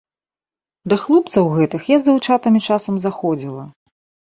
Да хлопцаў гэтых я з дзяўчатамі часам заходзіла.